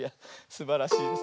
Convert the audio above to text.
すばらしいです。